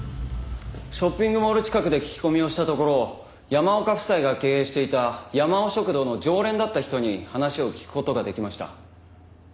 ショッピングモール近くで聞き込みをしたところ山岡夫妻が経営していたやまお食堂の常連だった人に話を聞く事ができました。